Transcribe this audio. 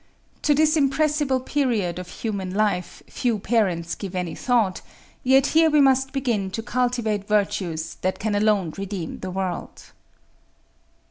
To this impressible period of human life, few parents give any thought; yet here we must begin to cultivate virtues that can alone redeem the world.